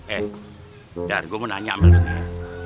eh dar gua mau nanya sama lo nih